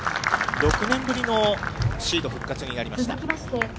６年ぶりのシード復活になりました。